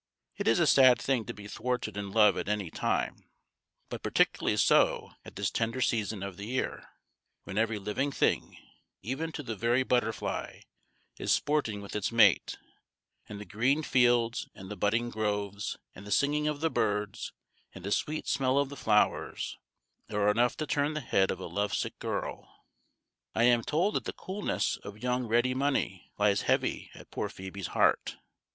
It is a sad thing to be thwarted in love at any time, but particularly so at this tender season of the year, when every living thing, even to the very butterfly, is sporting with its mate; and the green fields and the budding groves, and the singing of the birds, and the sweet smell of the flowers, are enough to turn the head of a love sick girl. I am told that the coolness of Young Ready Money lies heavy at poor Phoebe's heart.